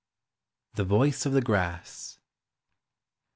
THE VOICE OF THE GRASS.